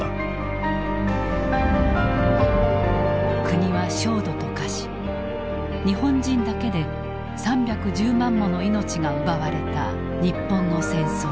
国は焦土と化し日本人だけで３１０万もの命が奪われた日本の戦争。